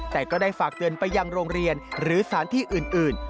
แต่ก็ได้ฝากเตือนไปยังโรงเรียนหรือสถานที่อื่น